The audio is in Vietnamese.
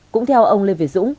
cũng theo ông lê việt dũng